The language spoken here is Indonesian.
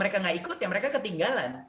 mereka nggak ikut ya mereka ketinggalan